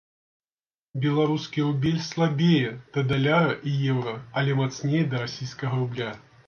Беларускі рубель слабее да даляра і еўра, але мацнее да расійскага рубля.